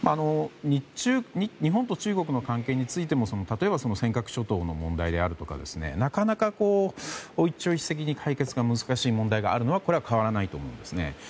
日本と中国の関係についても例えば尖閣諸島の問題であるとかなかなか一朝一夕に解決が難しい問題があるのは変わらないと思うんですね。